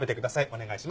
お願いします。